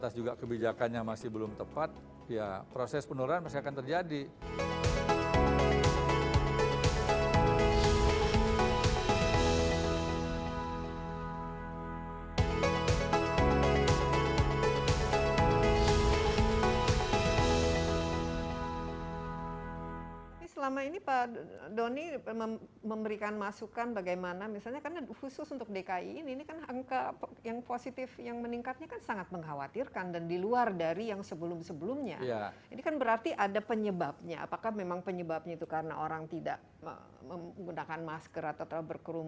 sudah tahu tentang kewajiban menggunakan masker